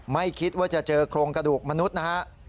ไม่คิดว่าจะเจอโครงกระดูกมนุษย์นะฮะ